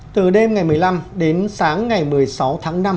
từ đêm ngày một mươi năm đến sáng ngày một mươi sáu tháng năm